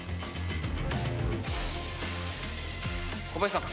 小林さん